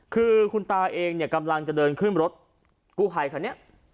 คือคุณตาเองเนี่ยกำลังจะเดินขึ้นรถกู้ภัยคันนี้